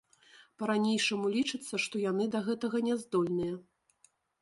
Па-ранейшаму лічыцца, што яны да гэтага няздольныя.